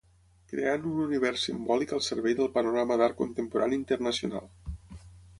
Creant un univers simbòlic al servei del panorama d'art contemporani internacional.